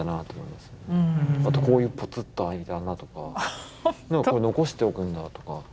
あとこういうポツッとあいた穴とかこれ残しておくんだとか。